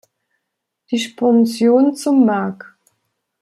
Die Sponsion zum Mag.